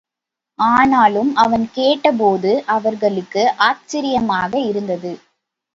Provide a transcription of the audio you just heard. ஆனாலும், அவன் கேட்டபோது அவர்களுக்கு ஆச்சரியமாக இருந்தது.